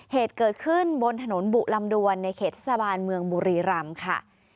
เหตุเกิดขึ้นบนถนนบุลำดวนในเขตเทศบาลเมืองบุรีรำค่ะ